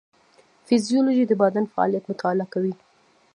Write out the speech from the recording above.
فیزیولوژي د بدن فعالیت مطالعه کوي